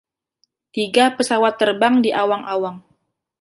Tiga pesawat terbang di awang-awang.